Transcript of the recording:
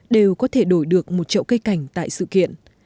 đều có thể đổi được một chậu cây cảnh tại sự kiện